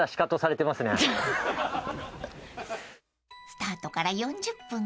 ［スタートから４０分］